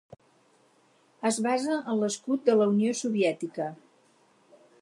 Es basa en l'escut de la Unió Soviètica.